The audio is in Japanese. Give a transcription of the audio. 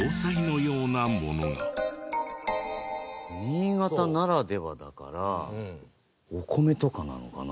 新潟ならではだから。